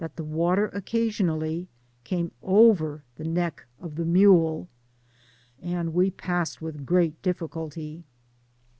819 the water oeeasionally c^me over the aeck of the mule, and we passed with great difficulty.